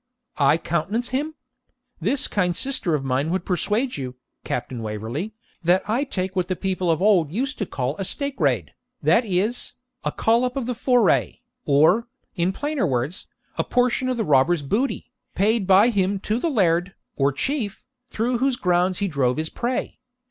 'I countenance him? This kind sister of mine would persuade you, Captain Waverley, that I take what the people of old used to call "a steakraid," that is, a "collop of the foray," or, in plainer words, a portion of the robber's booty, paid by him to the Laird, or Chief, through whose grounds he drove his prey.